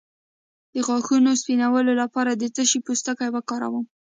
د غاښونو سپینولو لپاره د څه شي پوستکی وکاروم؟